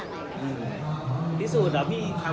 ปฏิสูตเป็นแบบนี้ไหม